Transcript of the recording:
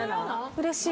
うれしい。